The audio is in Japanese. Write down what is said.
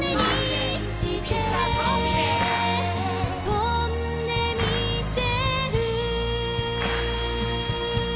「飛んでみせる！！」